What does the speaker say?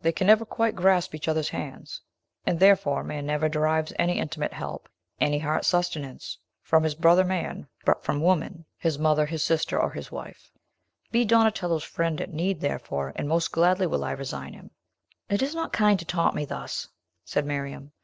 They can never quite grasp each other's hands; and therefore man never derives any intimate help, any heart sustenance, from his brother man, but from woman his mother, his sister, or his wife. Be Donatello's friend at need, therefore, and most gladly will I resign him!" "It is not kind to taunt me thus," said Miriam.